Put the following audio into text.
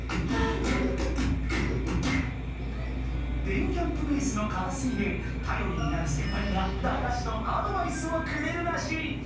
電キャんぷベースのかたすみでたよりになるセンパイがだがしとアドバイスをくれるらしい。